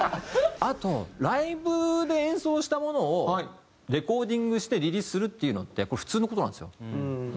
あとライブで演奏したものをレコーディングしてリリースするっていうのってこれ普通の事なんですよ。